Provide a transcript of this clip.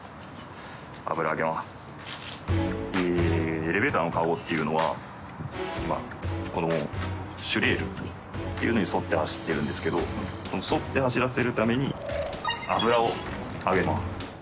エレベーターのカゴっていうのはこの主レールっていうのに沿って走ってるんですけど沿って走らせるために油をあげます。